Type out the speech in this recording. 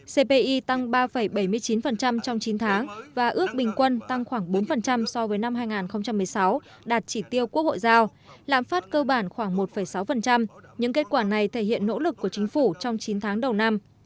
cpi tăng ba bảy mươi chín trong chín tháng và ước bình quân tăng khoảng bốn so với năm hai nghìn một mươi sáu đạt chỉ tiêu quốc hội giao lãm phát cơ bản khoảng một sáu những kết quả này thể hiện nỗ lực của chính phủ trong chín tháng đầu năm